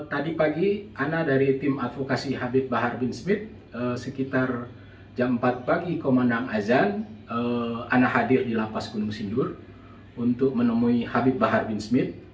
tadi pagi anak dari tim advokasi habib bahar bin smith sekitar jam empat pagi enam azan anak hadir di lapas gunung sindur untuk menemui habib bahar bin smith